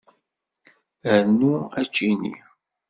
Rnu aččini.